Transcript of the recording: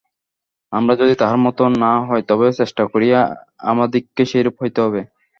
আমরা যদি তাঁহার মত না হই, তবে চেষ্টা করিয়া আমাদিগকে সেরূপ হইতে হইবে।